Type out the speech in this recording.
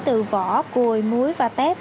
từ vỏ cùi muối và tép